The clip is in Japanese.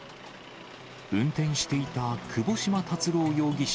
運転していた窪島達郎容疑者